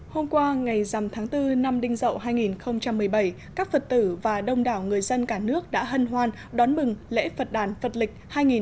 hôm qua ngày dằm tháng bốn năm đinh dậu hai nghìn một mươi bảy các phật tử và đông đảo người dân cả nước đã hân hoan đón mừng lễ phật đàn phật lịch hai nghìn một mươi chín